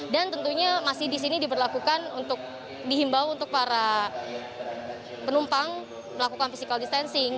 dan tentunya masih di sini diberlakukan untuk di himbau untuk para penumpang melakukan physical distancing